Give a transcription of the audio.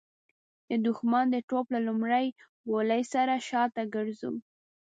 د د ښمن د توپ له لومړۍ ګولۍ سره شاته ګرځو.